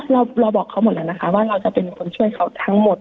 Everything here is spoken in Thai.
เราบอกเขาหมดแล้วนะคะว่าเราจะเป็นคนช่วยเขาทั้งหมด